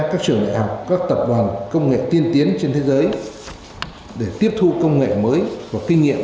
các trường đại học các tập đoàn công nghệ tiên tiến trên thế giới để tiếp thu công nghệ mới và kinh nghiệm